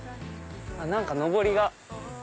何かのぼりが。